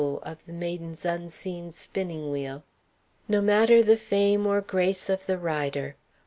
of the maiden's unseen spinning wheel. No matter the fame or grace of the rider.